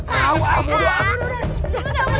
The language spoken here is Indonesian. kabur kabur kabur